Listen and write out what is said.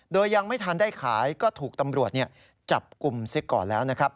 โดยยังไม่ทันได้ขายก็ถูกตำรวจจับกลุ่มซิก่อนแล้วนะครับ